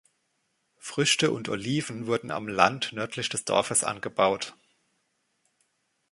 Früchte und Oliven wurden am Land nördlich des Dorfes angebaut.